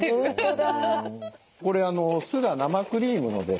これ酢が生クリームのですね